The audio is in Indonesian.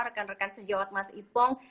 rekan rekan sejawat mas ipong